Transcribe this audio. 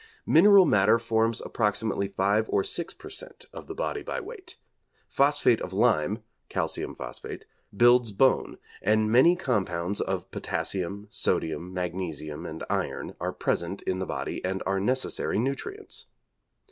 Mineral matter forms approximately five or six per cent. of the body by weight. Phosphate of lime (calcium phosphate), builds bone; and many compounds of potassium, sodium, magnesium and iron are present in the body and are necessary nutrients.